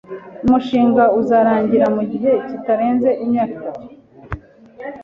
Umushinga uzarangira mugihe kitarenze imyaka itatu. (erikspen)